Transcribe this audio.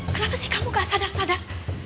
kenapa sih kamu gak sadar sadar